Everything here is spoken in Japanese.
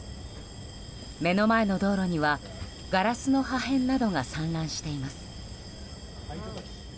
目の前の道路にはガラスの破片などが散乱しています。